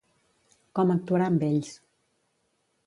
Com actuarà amb ells?